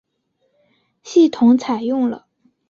系统采用了。